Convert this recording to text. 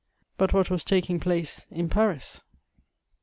_ But what was taking place in Paris?